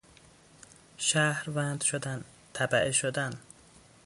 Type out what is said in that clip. شهروند شدن، تبعه شدن